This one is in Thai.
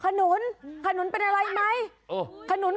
ขนุนขนุนเป็นอะไรไหม